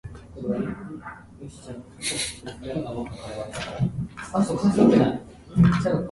During the "Spider-Island" storyline, she is attacked by The Sisterhood of the Wasp.